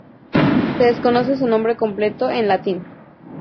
Se desconoce su nombre completo en latín.